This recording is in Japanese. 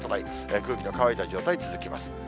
空気の乾いた状態、続きます。